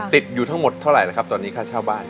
ติดอยู่ทั้งหมดเท่าไหร่แล้วครับตอนนี้ค่าเช่าบ้าน